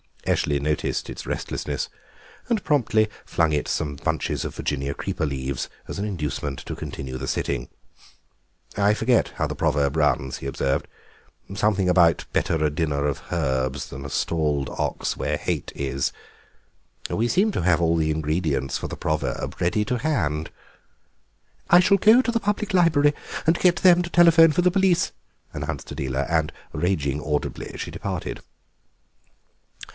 Eshley noticed its restlessness and promptly flung it some bunches of Virginia creeper leaves as an inducement to continue the sitting. "I forget how the proverb runs," he observed; "of something about 'better a dinner of herbs than a stalled ox where hate is.' We seem to have all the ingredients for the proverb ready to hand." "I shall go to the Public Library and get them to telephone for the police," announced Adela, and, raging audibly, she departed.